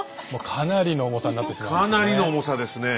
かなりの重さですねえ。